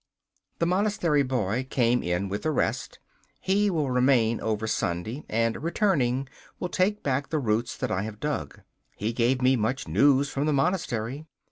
The monastery boy came in with the rest. He will remain over Sunday, and, returning, will take back the roots that I have dug. He gave me much news from the monastery.